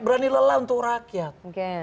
berani lelah untuk rakyat